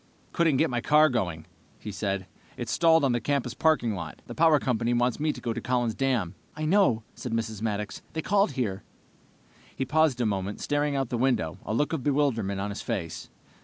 "Couldn't get my car going," he said. "It's stalled on the campus parking lot. The power company wants me to go to Collin's Dam." "I know," said Mrs. Maddox. "They called here." He paused a moment, staring out the window, a look of bewilderment on his face.